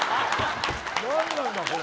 何なんだこれ。